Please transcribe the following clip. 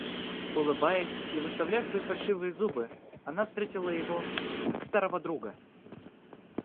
Улыбаясь и выставляя свои фальшивые зубы, она встретила его, как старого друга.